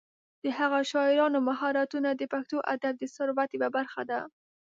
د هغه شاعرانه مهارتونه د پښتو ادب د ثروت یوه برخه ده.